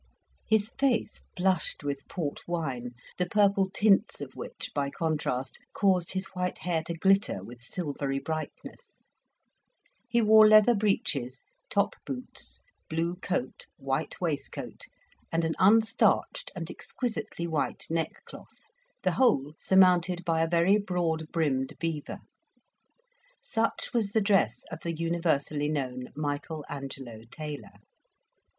His face blushed with port wine, the purple tints of which, by contrast, caused his white hair to glitter with silvery brightness; he wore leather breeches, top boots, blue coat, white waistcoat, and an unstarched and exquisitely white neckcloth, the whole surmounted by a very broad brimmed beaver; such was the dress of the universally known Michael Angelo Taylor.